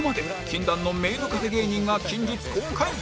禁断のメイドカフェ芸人が近日公開